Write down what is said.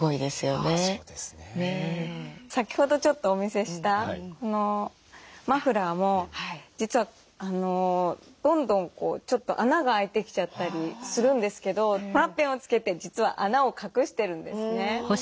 先ほどちょっとお見せしたこのマフラーも実はどんどんちょっと穴が開いてきちゃったりするんですけどワッペンを付けて実は穴を隠してるんですね。